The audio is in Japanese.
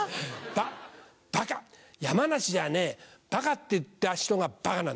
ババカ山梨じゃねバカって言った人がバカなんだよ。